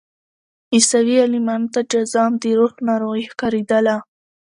عیسوي عالمانو ته جذام د روح ناروغي ښکارېدله.